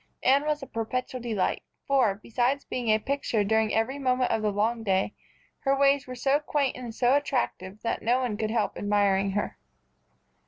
Anne was a perpetual delight, for, besides being a picture during every moment of the long day, her ways were so quaint and so attractive that no one could help admiring her.